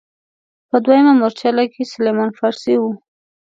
په دویمه مورچله کې سلمان فارسي و.